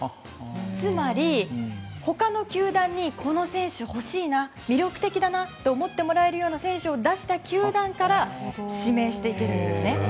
つまり、他の球団にこの選手欲しいな魅力的だなと思ってもらえるような選手を出した球団から指名していけるんですね。